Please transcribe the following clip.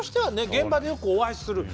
現場でよくお会いする。